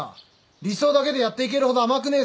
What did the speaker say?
理想だけでやっていけるほど甘くねえぞ。